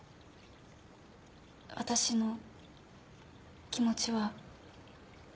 私の気持ちは。